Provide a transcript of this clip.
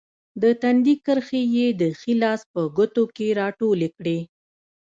د تندي کرښې یې د ښي لاس په ګوتو کې راټولې کړې.